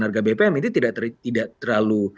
harga bpm itu tidak terlalu